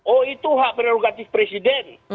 oh itu hak prerogatif presiden